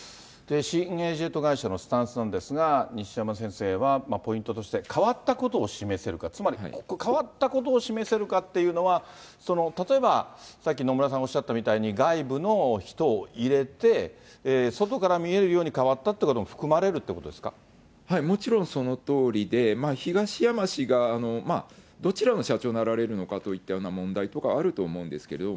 新エージェント会社のスタンスなんですが、西山先生は、ポイントとして、変わったことを示せるか、つまり変わったことを示せるかっていうのは、例えばさっき野村さんがおっしゃったみたいに、外部の人を入れて、外から見えるように変わったっていうことも含まれるということでもちろんそのとおりで、東山氏がどちらの社長になられるのかといった問題とかあると思うんですけれども、